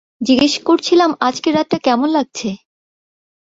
জিজ্ঞেস করছিলাম আজকের রাতটা কেমন লাগছে?